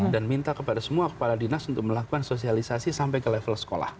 dan minta kepada semua kepala dinas untuk melakukan sosialisasi sampai ke level sekolah